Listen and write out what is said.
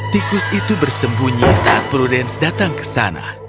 tikus itu bersembunyi saat prudence datang ke sana